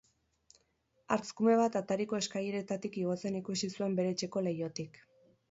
Hartzkume bat atariko eskaileretatik igotzen ikusi zuen bere etxeko leihotik.